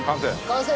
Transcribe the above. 完成！